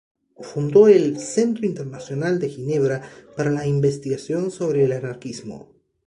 Fundó el "Centro Internacional de Ginebra para la Investigación sobre el anarquismo".